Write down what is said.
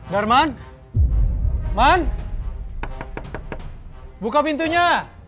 darman man buka pintunya